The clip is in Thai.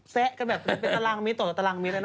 แซะกันแบบเป็นตะลังมิดต่อตะลังมิดเลยนะ